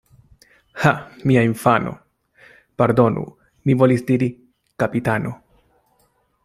Ha! mia infano ... pardonu, mi volis diri: kapitano.